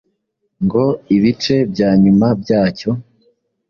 ngo ibice bya nyuma byacyo